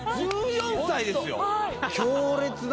１４歳ですよ！